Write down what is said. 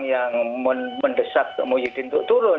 yang mendesak muhyiddin untuk turun